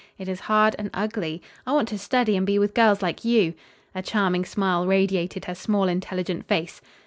It is hard and ugly. I want to study, and be with girls like you." A charming smile radiated her small, intelligent face.